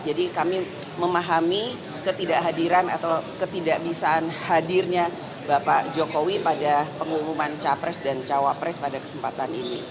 jadi kami memahami ketidakhadiran atau ketidakbisaan hadirnya bapak jokowi pada pengumuman capres dan cawapres pada kesempatan ini